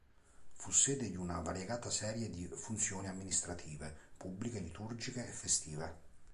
Fu sede di una variegata serie di funzioni amministrative, pubbliche, liturgiche e festive.